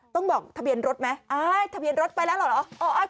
ต้องบอกทะเบียนรถไหมทะเบียนรถไปแล้วเหรอ